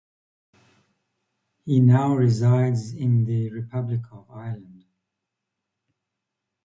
He now resides in the Republic of Ireland.